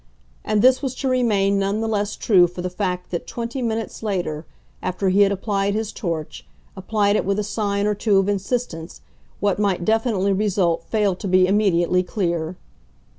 And this was to remain none the less true for the fact that twenty minutes later, after he had applied his torch, applied it with a sign or two of insistence, what might definitely result failed to be immediately clear.